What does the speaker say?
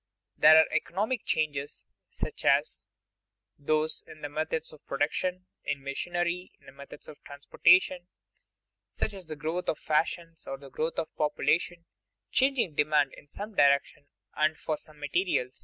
There are economic changes, such as those in methods of production, in machinery, in methods of transportation; such as the growth of fashions or the growth of population changing demand in some directions and for some materials.